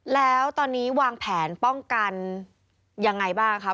แล้วตอนนี้วางแผนป้องกันยังไงบ้างคะ